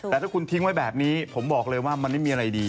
แต่ถ้าคุณทิ้งไว้แบบนี้ผมบอกเลยว่ามันไม่มีอะไรดี